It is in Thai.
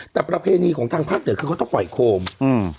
แต่ประเภทหนี้ของทางภาครั้งเดินเขาเขาต้องปล่อยโครมอืม